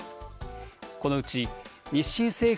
このうち日清製粉